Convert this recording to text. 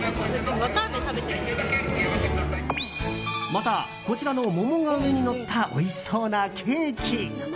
また、こちらの桃が上にのったおいしそうなケーキ。